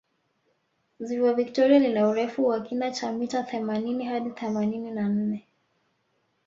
ziwa victoria lina urefu wa kina cha mita themanini hadi themanini na nne